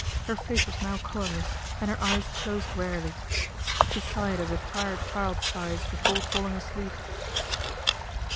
Her face was now colourless, and her eyes closed wearily. She sighed as a tired child sighs before falling asleep.